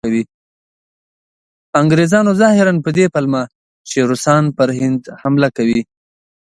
انګریزانو ظاهراً په دې پلمه چې روسان پر هند حمله کوي.